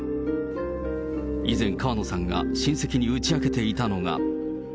以前、川野さんが親戚に打ち明けていたのが。